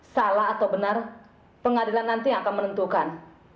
salah atau benar pengadilan nanti yang akan menentukan